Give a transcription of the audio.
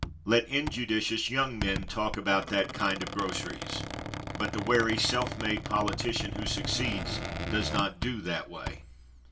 Let injudicious young men talk about that kind of groceries, but the wary self made politician who succeeds does not do that way.